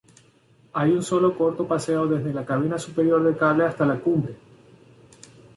Hay sólo un corto paseo desde la cabina superior del cable hasta la cumbre.